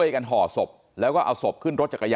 ใส่หัวแล้วแล้วนี่ที่ไหนนะ